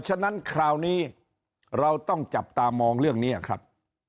ฉะนั้นคราวนี้เราต้องจับตามองเรื่องนี้ครับ